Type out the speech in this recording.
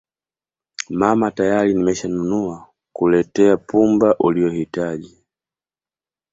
mama tayari nimeshanunua kuletea pumba uliyohitaji